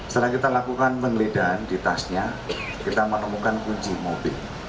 setelah kita lakukan penggeledahan di tasnya kita menemukan kunci mobil